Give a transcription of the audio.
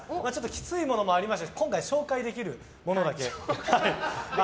きついものもありましたので紹介できるものだけ。